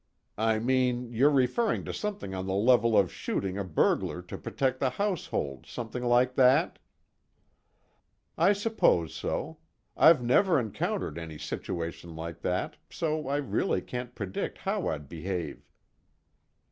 I mean, you're referring to something on the level of shooting a burglar to protect the household, something like that?" "I suppose so. I've never encountered any situation like that, so I really can't predict how I'd behave."